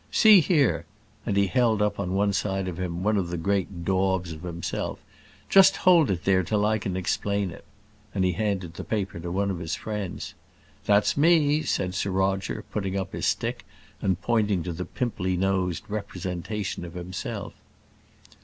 See here," and he held up on one side of him one of the great daubs of himself "just hold it there till I can explain it," and he handed the paper to one of his friends. "That's me," said Sir Roger, putting up his stick, and pointing to the pimply nosed representation of himself.